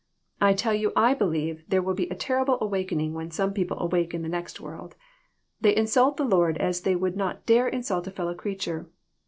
I tell you I believe there will be a terrible awakening when some people awake in the next world. They insult the Lord as they would not dare insult a fellow creature.